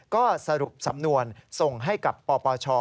ก็สรุปสำนวนส่งให้กับปปช